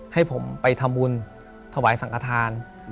ให้ผมไปทำบุญถวายสังขทาน